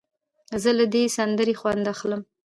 زه له دې سندرې خوند اخلم.